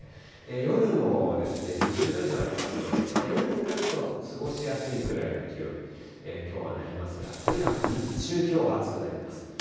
夜も２０度以上ありますので、夜になると、過ごしやすいくらいの気温に、きょうはなりますが、とにかく日中、きょうは暑くなります。